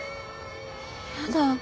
やだ。